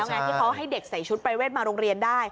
ไงที่เขาให้เด็กใส่ชุดปรายเวทมาโรงเรียนได้